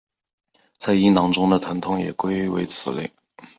在阴囊中的疼痛也归为此类。